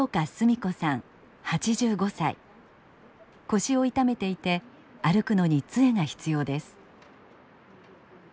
腰を痛めていて歩くのに杖が必要です。